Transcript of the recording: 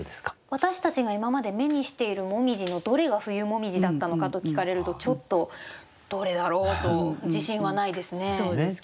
私たちが今まで目にしている紅葉のどれが冬紅葉だったのかと聞かれるとちょっとどれだろう？と自信はないですね。